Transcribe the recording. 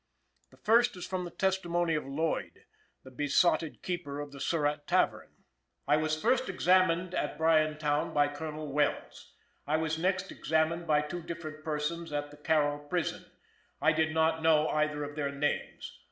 The first is from the testimony of Lloyd, the besotted keeper of the Surratt tavern: "I was first examined at Bryantown by Colonel Wells. I was next examined by two different persons at the Carroll prison. I did not know either of their names.